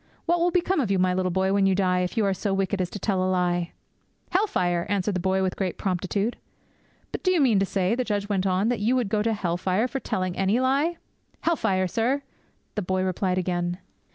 What will become of you, my little boy, when you die, if you are so wicked as to tell a lie?"' '"Hell fire!" answered the boy with great promptitude. '"But do you mean to say," the judge went on, "that you would go to hell fire for telling any lie?" '"Hell fire, sir!" the boy replied again.